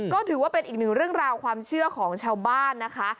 ก็ถือว่าเป็นอีกหนึ่งเรื่องราวความเชื่อของชาวบ้านนะคะ